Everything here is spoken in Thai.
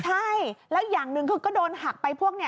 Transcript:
ใช่แล้วอย่างหนึ่งคือก็โดนหักไปพวกนี้